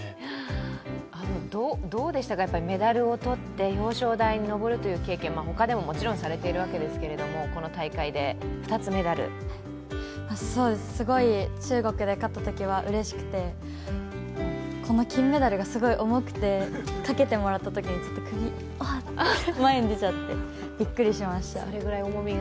どうでしたか、メダルを取って、表彰台に上るという経験、ほかでももちろんされているわけですけれども、すごい、中国で勝ったときはうれしくて、この金メダルがすごい重くて、かけてもらったときに、ちょっと首おっ、って前に出ちゃってびっくりしました。